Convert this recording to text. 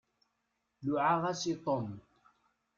Luɛaɣ-as i Tom.